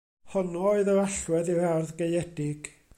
Honno oedd yr allwedd i'r ardd gaeedig.